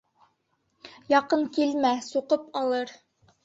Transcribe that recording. — Яҡын килмә, суҡып алыр.